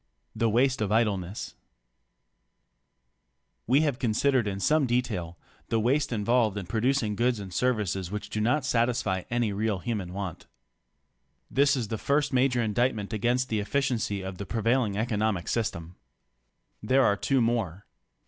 THE WASTE OF IDLENESS We have considered in some detail the waste involved in producing goods and services which do not satisfy any real human want. This is the first major indictment against the efficiency of the prevailing economic system. There are two more.